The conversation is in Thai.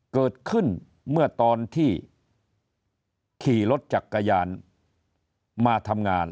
เกิดขึ้นเมื่อตอนที่ขี่รถจักรยานมาทำงาน